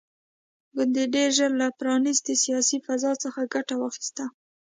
ګوند ډېر ژر له پرانیستې سیاسي فضا څخه ګټه واخیسته.